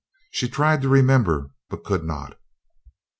She tried to remember, but could not.